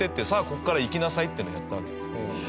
ここから行きなさいっていうのをやったわけです。